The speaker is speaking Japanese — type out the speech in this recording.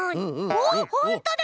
おほんとだ！